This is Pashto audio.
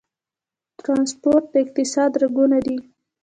ټرانسپورټ د اقتصاد رګونه دي